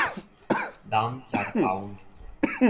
দাম চার পাউন্ড।